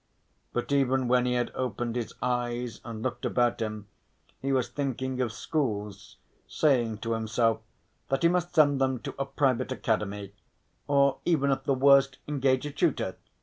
But even when he had opened his eyes and looked about him he was thinking of schools, saying to himself that he must send them to a private academy, or even at the worst engage a tutor.